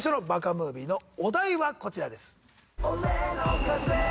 ムービーのお題はこちらです。